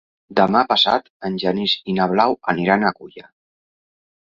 Demà passat en Genís i na Blau aniran a Culla.